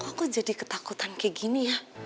kok aku jadi ketakutan kayak gini ya